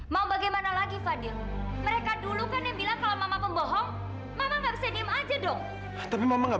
sampai jumpa di video selanjutnya